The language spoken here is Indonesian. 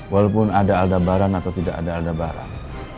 walaupun ada aldabaran atau tidak ada aldabaran